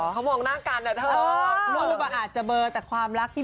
เขามองน่าการแหละโทษ